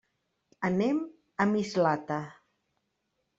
Anem a Mislata.